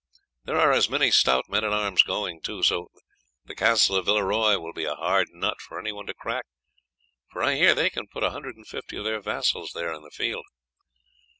There are as many stout men at arms going too; so the Castle of Villeroy will be a hard nut for anyone to crack, for I hear they can put a hundred and fifty of their vassals there in the field."